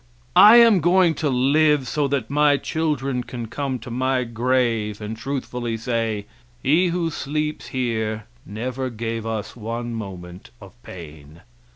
I am going to live so that my children can come to my grave and truthfully say, "He who sleeps here never gave us one moment of pain."